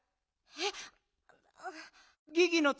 えっ？